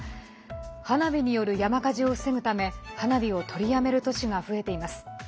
花火による山火事を防ぐため花火を取りやめる都市が増えています。